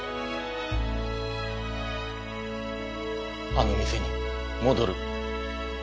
あの店に戻る。